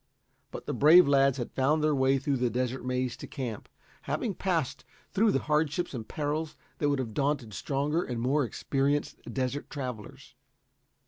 But the brave lads had found their way through the Desert Maze to camp, having passed through hardships and perils that would have daunted stronger and more experienced desert travelers.